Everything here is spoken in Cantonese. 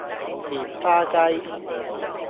棉花雞